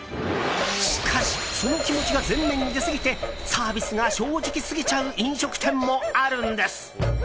しかし、その気持ちが前面に出すぎてサービスが正直すぎちゃう飲食店もあるんです。